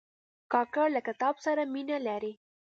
کاکړ له کتاب سره مینه لري.